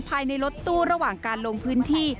ภายในรถตู้ระหว่างการลงพื้นที่